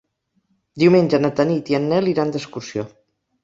Diumenge na Tanit i en Nel iran d'excursió.